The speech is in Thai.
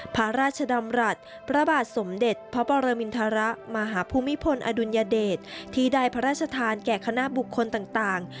พระราชดำรัฐพระบาทสมเด็จพระปรมินทรมาหาภูมิพลอดุลยเดชที่ได้พระราชทานแก่คณะบุคคลต่าง